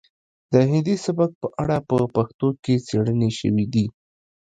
د هندي سبک په اړه په پښتو کې څیړنې شوي دي